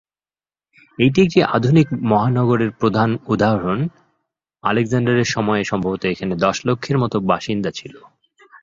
এইটি একটি আধুনিক মহানগরের প্রথম উদাহরণ, আলেকজান্ডারের সময়ে সম্ভবত এখানে দশ লক্ষের মত বাসিন্দা ছিল।